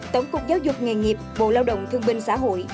tổng cục giáo dục nghề nghiệp bộ lao động thương binh xã hội